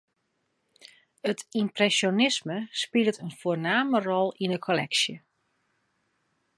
It ympresjonisme spilet in foarname rol yn 'e kolleksje.